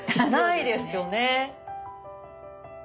ないですよね。